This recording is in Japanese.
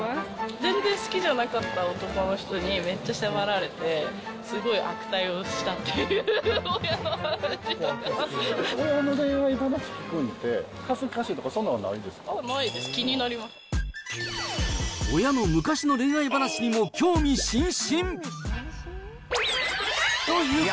全然好きじゃなかった男の人に、めっちゃ迫られてすごい悪態をしたっていう、親の話とか。